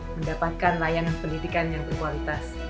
mendapatkan layanan pendidikan yang berkualitas